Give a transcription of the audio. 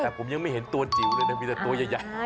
แต่ผมยังไม่เห็นตัวจิ๋วเลยนะมีแต่ตัวใหญ่